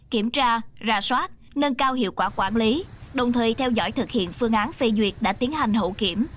kiểm tra ra soát nâng cao hiệu quả quản lý đồng thời theo dõi thực hiện phương án phê duyệt đã tiến hành hậu kiểm